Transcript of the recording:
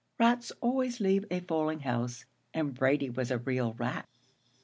Rats always leave a falling house, and Brady was a real rat.